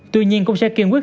tuy nhiên cũng sẽ kiên quyết